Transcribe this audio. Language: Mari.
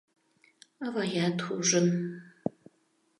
Аваят ужын